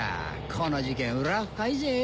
この事件ウラは深いぜ。